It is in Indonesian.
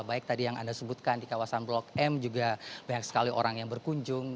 baik tadi yang anda sebutkan di kawasan blok m juga banyak sekali orang yang berkunjung